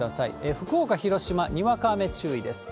福岡、広島、にわか雨注意です。